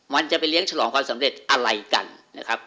มันจะไปเลี้ยฉลองความสำเร็จอะไรกันนะครับ